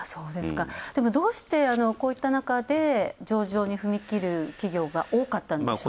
でも、どうして、こういった中で上場に踏み切る企業が多かったんでしょう。